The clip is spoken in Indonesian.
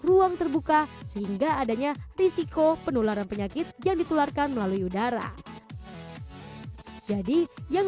ruang terbuka sehingga adanya risiko penularan penyakit yang ditularkan melalui udara jadi yang